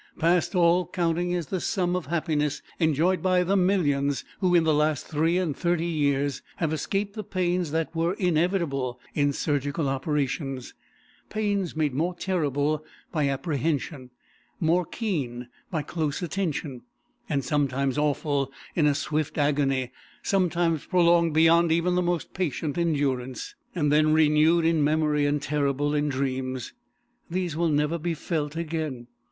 Past all counting is the sum of happiness enjoyed by the millions who, in the last three and thirty years, have escaped the pains that were inevitable in surgical operations; pains made more terrible by apprehension, more keen by close attention; sometimes awful in a swift agony, sometimes prolonged beyond even the most patient endurance, and then renewed in memory and terrible in dreams. These will never be felt again.